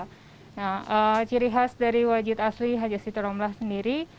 nah ciri khas dari wajit asli haja sitorong blah sendiri